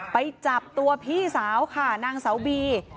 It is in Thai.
ไปจับตัวพี่สาวค่ะนางสาวบี